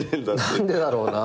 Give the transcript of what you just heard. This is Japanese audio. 何でだろうなって。